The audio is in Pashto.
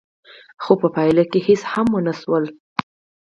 خو په پايله کې هېڅ هم ونه شول.